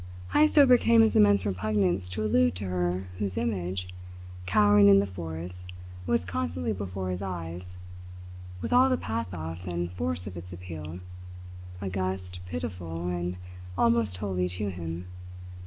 Heyst overcame his immense repugnance to allude to her whose image, cowering in the forest was constantly before his eyes, with all the pathos and force of its appeal, august, pitiful, and almost holy to him.